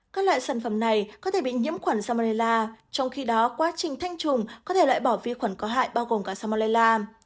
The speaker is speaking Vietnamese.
các loại sản phẩm này có thể bị nhiễm khuẩn salmera trong khi đó quá trình thanh trùm có thể loại bỏ vi khuẩn có hại bao gồm cả samolella